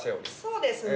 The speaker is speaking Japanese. そうですね。